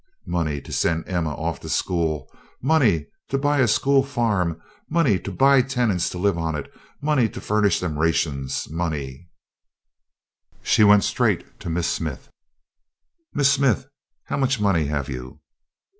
Money to send Emma off to school; money to buy a school farm; money to "buy" tenants to live on it; money to furnish them rations; money She went straight to Miss Smith. "Miss Smith, how much money have you?"